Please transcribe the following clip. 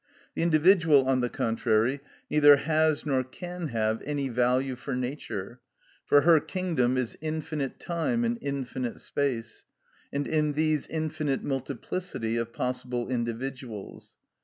The individual, on the contrary, neither has nor can have any value for Nature, for her kingdom is infinite time and infinite space, and in these infinite multiplicity of possible individuals.